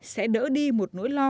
sẽ đỡ đi một nỗi lo